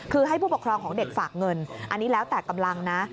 คือให้ผู้ปกครองของเด็กฝากเงินอันนี้แล้วแต่กำลังนะ